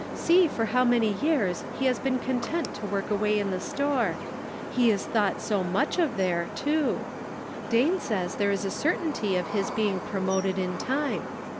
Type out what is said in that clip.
See for how many years he has been content to work away in the store. He is thought so much of there, too. Dane says there is a certainty of his being promoted in time.